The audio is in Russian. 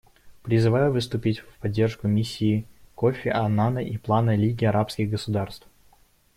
Призываю выступить в поддержку миссии Кофи Аннана и плана Лиги арабских государств.